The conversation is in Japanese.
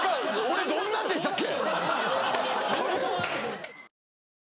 俺どんなんでしたっけ？